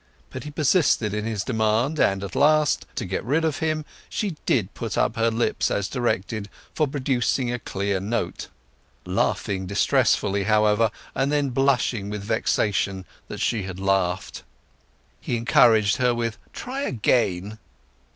But he persisted in his demand, and at last, to get rid of him, she did put up her lips as directed for producing a clear note; laughing distressfully, however, and then blushing with vexation that she had laughed. He encouraged her with "Try again!"